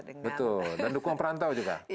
dan dukungan perantau juga